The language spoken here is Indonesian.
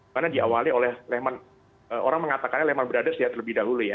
karena diawali oleh lehman orang mengatakannya lehman brothers ya terlebih dahulu ya